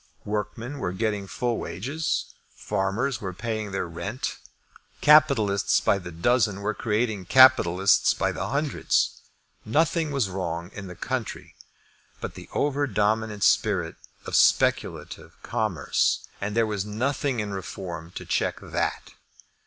Workmen were getting full wages. Farmers were paying their rent. Capitalists by the dozen were creating capitalists by the hundreds. Nothing was wrong in the country, but the over dominant spirit of speculative commerce; and there was nothing in Reform to check that.